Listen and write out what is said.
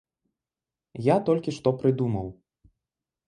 Я толькі што прыдумаў.